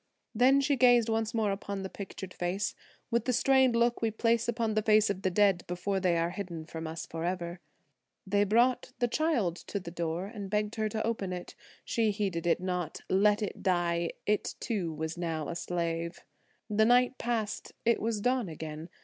Then she gazed once more upon the pictured face with the strained look we place upon the face of the dead before they are hidden from us forever. They brought the child to the door and begged her to open to it. She heeded it not. Let it die; it, too, was now a slave. The night passed; it was dawn again.